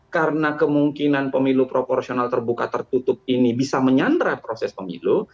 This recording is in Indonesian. karena kemungkinan pemilu proporsional terbuka tertutup ini bisa menyandra proses pemilu